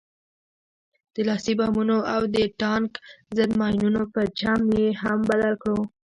د لاسي بمونو او د ټانک ضد ماينونو په چم يې هم بلد کړو.